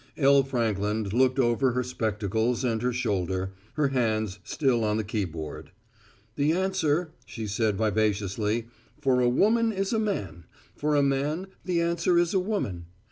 L. Frankland looked over her spectacles and her shoulder, her hands still on the keyboard. "The answer," she said vivaciously, "for a woman is a man; for a man the answer is a woman.